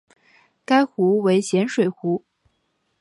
该湖为咸水湖。